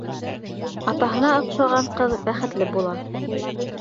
Атаһына оҡшаған ҡыҙ бәхетле була.